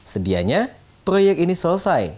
sedianya proyek ini selesai